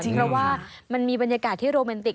เพราะว่ามันมีบรรยากาศที่โรแมนติก